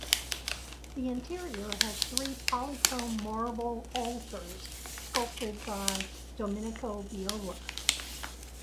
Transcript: The interior has three polychrome marble altars sculpted by Domenico Viola.